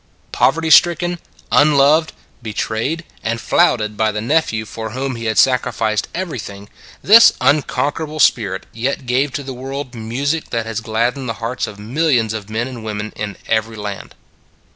Poverty stricken, unloved, betrayed and flouted by the nephew for whom he had sacrificed everything, this unconquerable spirit yet gave to the world music that has gladdened the hearts of millions of men and women in every land.